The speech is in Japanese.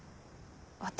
私